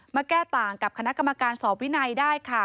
มาแก้ต่างกับคณะกรรมการสอบวินัยได้ค่ะ